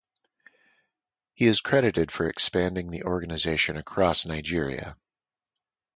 He is credited for expanding the organisation across Nigeria.